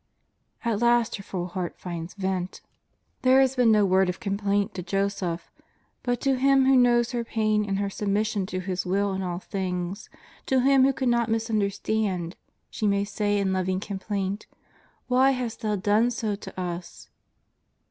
At last her full heart finds vent. There has been no 96 JESUS OF NAZABETH. word of complaint to Joseph, but to Him who knows her pain and her submission to His Will in all things, to Uim who cannot misunderstand, she may say in lov ing complaint: '' Why hast Thou done so to us?"